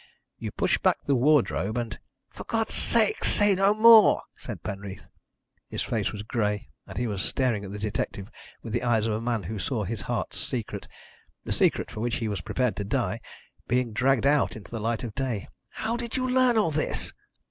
You pushed back the wardrobe and " "For God's sake, say no more!" said Penreath. His face was grey, and he was staring at the detective with the eyes of a man who saw his heart's secret the secret for which he was prepared to die being dragged out into the light of day. "How did you learn all this?"